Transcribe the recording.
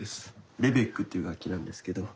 「レベック」っていう楽器なんですけど。